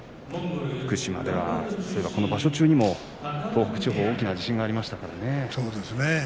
福島ではこの場所中にも東北地方大きな地震がありましたからね。